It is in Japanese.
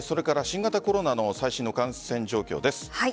新型コロナの最新の感染状況です。